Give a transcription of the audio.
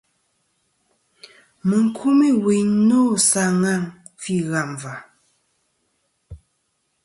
Mɨ n-kumî wuyn nô sa ŋaŋ fî ghâm và..